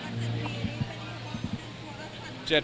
คุณพลอยก็เป็นอะไรอย่างนี้ครับ